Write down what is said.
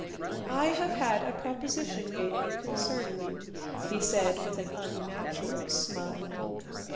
"I have had a proposition made me concerning you," he said with an unnatural smile.